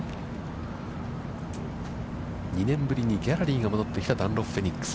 ２年ぶりにギャラリーが戻ってきたダンロップフェニックス。